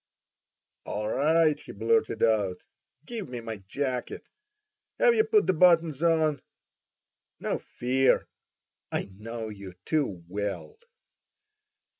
"All right!" he blurted out; "give me my jacket. Have you put the buttons on? No fear! I know you too well!"